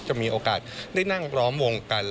มีโอกาสได้นั่งล้อมวงกัน